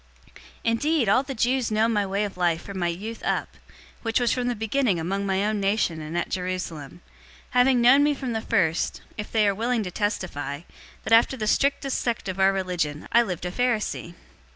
026:004 "Indeed, all the Jews know my way of life from my youth up, which was from the beginning among my own nation and at Jerusalem; 026:005 having known me from the first, if they are willing to testify, that after the strictest sect of our religion I lived a Pharisee.